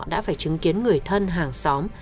đã phải chứng kiến người thân hàng xóm